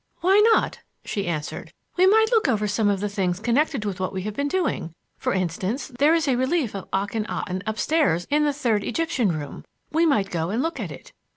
"Why not?" she answered. "We might look over some of the things connected with what we have been doing. For instance, there is a relief of Ahkhenaten upstairs in the Third Egyptian Room; we might go and look at it."